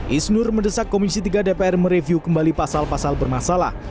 isnur mendesak komisi tiga dpr mereview kembali pasal pasal bermasalah